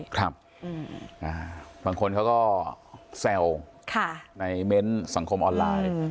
ครับบางคนเขาก็แซวในเม้นต์สังคมออนไลน์